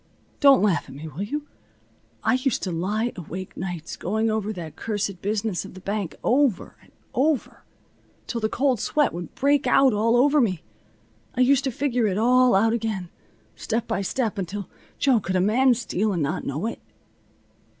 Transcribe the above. Don't laugh at me, will you? I used to lie awake nights going over that cursed business of the bank over and over till the cold sweat would break out all over me. I used to figure it all out again, step by step, until Jo, could a man steal and not know it?